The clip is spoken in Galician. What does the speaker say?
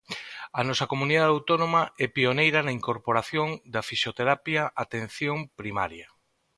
A nosa comunidade autónoma é pioneira na incorporación da fisioterapia á atención primaria.